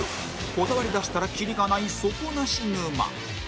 こだわりだしたらきりがない底なし沼